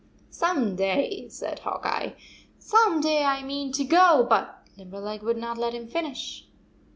" Some day, "said Hawk Eye, "someday I mean to go" but Limberleg would not let him finish.